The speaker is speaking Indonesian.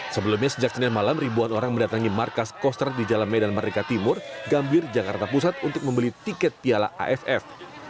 sebelumnya sejak senin malam ribuan orang mendatangi markas koster di jalan medan merdeka timur gambir jakarta pusat untuk membeli tiket piala aff